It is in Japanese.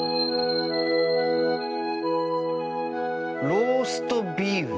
ローストビーフ。